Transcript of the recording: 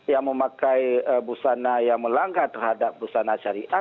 yang memakai busana yang melangkah terhadap busana syariah